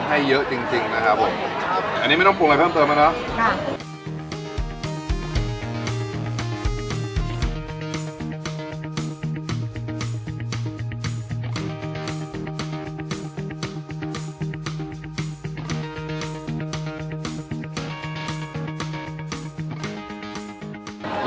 ให้เยอะจริงนะครับผมอันนี้ไม่ต้องปรุงอะไรเพิ่มเติมแล้วเนาะ